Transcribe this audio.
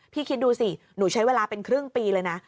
คิดดูสิหนูใช้เวลาเป็นครึ่งปีเลยนะ